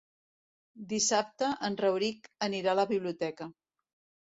Dissabte en Rauric anirà a la biblioteca.